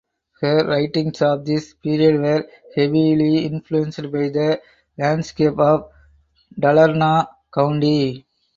Her writings of this period were heavily influenced by the landscape of Dalarna County.